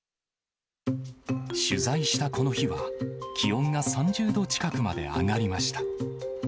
取材したこの日は、気温が３０度近くまで上がりました。